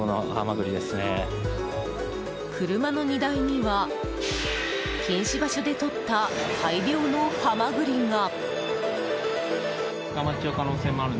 車の荷台には禁止場所でとった大量のハマグリが。